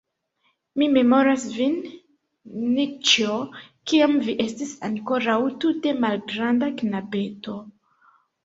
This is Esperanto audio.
Mi memoras vin, Nikĉjo, kiam vi estis ankoraŭ tute malgranda knabeto.